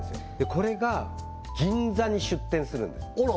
これが銀座に出店するんですあら